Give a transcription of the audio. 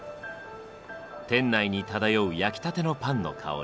店内に漂う焼きたてのパンの香り。